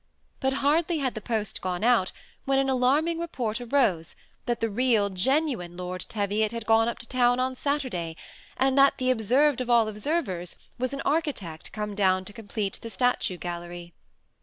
But hardly had the post gone out, when an alarming report arose that the real, genuine Lord Teviot had gone up to town on Saturday, and that the " observed of all observers " was an architect come down to complete the statue gallery.